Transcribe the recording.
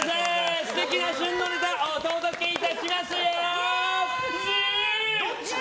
素敵な旬なネタお届けいたしますよ！